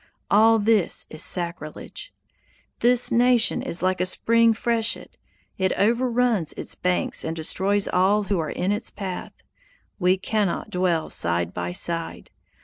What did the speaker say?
All this is sacrilege. "This nation is like a spring freshet; it overruns its banks and destroys all who are in its path. We cannot dwell side by side.